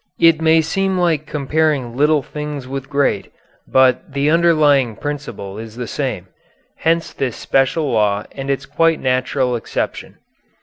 It may seem like comparing little things with great, but the underlying principle is the same. Hence this special law and its quite natural exception.